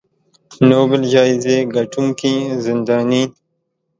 نوبل جایزې ګټونکې زنداني